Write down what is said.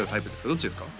どっちですか？